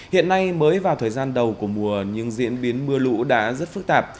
hiện nay mới vào thời gian đầu của mùa nhưng diễn biến mưa lũ đã rất phức tạp